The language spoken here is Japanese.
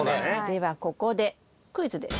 ではここでクイズです。